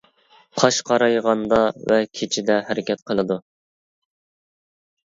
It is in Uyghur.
قاش قارايغاندا ۋە كېچىدە ھەرىكەت قىلىدۇ.